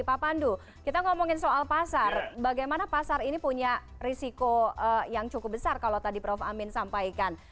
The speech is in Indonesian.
pak pandu kita ngomongin soal pasar bagaimana pasar ini punya risiko yang cukup besar kalau tadi prof amin sampaikan